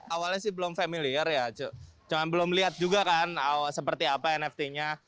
awalnya sih belum familiar ya cuma belum lihat juga kan seperti apa nft nya